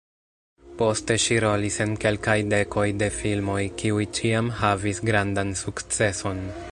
Poste ŝi rolis en kelkaj dekoj de filmoj, kiuj ĉiam havis grandan sukceson.